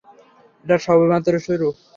এটা সবেমাত্র শুরু।